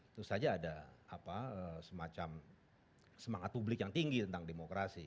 itu saja ada semacam semangat publik yang tinggi tentang demokrasi